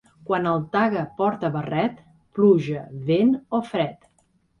Quan el Taga porta barret, pluja, vent o fred.